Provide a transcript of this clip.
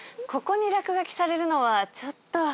ここに落書きされるのはちょっと。